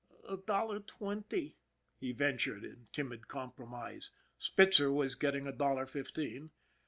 "A dollar twenty," he ventured, in timid compro mise Spitzer was getting a dollar fifteen.